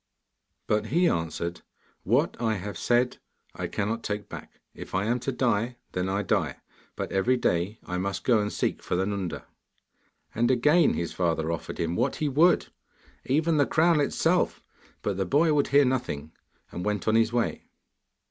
But he answered: 'What I have said, I cannot take back. If I am to die, then I die, but every day I must go and seek for the Nunda.' And again his father offered him what he would, even the crown itself, but the boy would hear nothing, and went on his way.